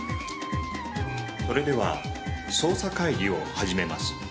それでは捜査会議を始めます。